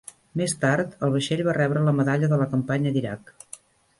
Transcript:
Més tard, el vaixell va rebre la Medalla de la Campanya d'Iraq.